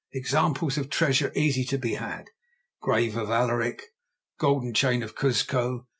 Examples of treasure easily to be had. Grave of Alaric. Golden chain of Cuzco.